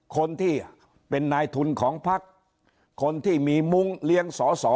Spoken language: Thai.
คนที่เป็นนายทุนของพักคนที่มีมุ้งเลี้ยงสอสอ